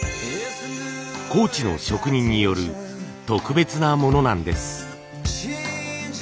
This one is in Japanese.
高知の職人による特別なものなんです。